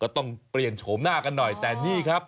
ต้องเปลี่ยนโฉมหน้ากันหน่อยแต่นี่ครับ